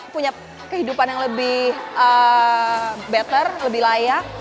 punya kehidupan yang lebih better lebih layak